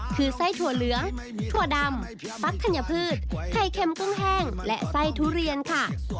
คือไส้ถั่วเหลืองถั่วดำฟักธัญพืชไข่เค็มกุ้งแห้งและไส้ทุเรียนค่ะ